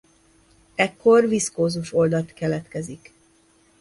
Ekkor viszkózus oldat keletkezik.